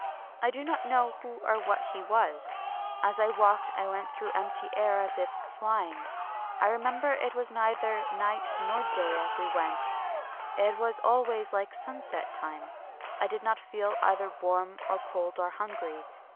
I do not know who or what he was. As I walked I went through empty air as if flying. I remember it was neither night nor day as we went : it was al ways like sunset time. I did not feel either warm or cold or hungry.